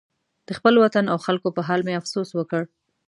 د خپل وطن او خلکو په حال مې افسوس وکړ.